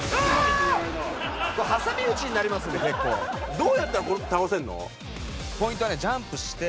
どうやったらこれ倒せるの？